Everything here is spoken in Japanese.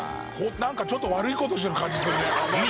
「なんかちょっと悪い事してる感じするね」